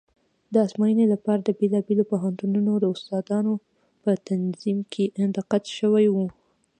د ازموینې لپاره د بېلابېلو پوهنتونونو د استادانو په تنظیم کې دقت شوی و.